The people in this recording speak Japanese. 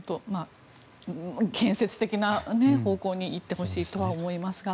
建設的な方向に行ってほしいとは思いますが。